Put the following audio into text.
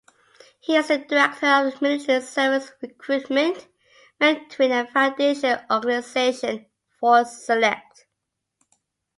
He is a director of military service recruitment, mentoring and Foundation organisation, ForceSelect.